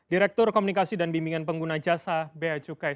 direktur komunikasi dan bimbingan pengguna jasa b a jukai